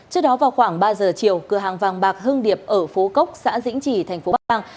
trước đó vào khoảng ba giờ chiều cửa hàng vàng bạc hưng điệp ở phố cốc xã dĩnh chỉ thành phố bắc giang